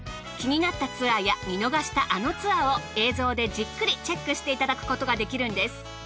気になったツアーや見逃したあのツアーを映像でじっくりチェックしていただくことができるんです。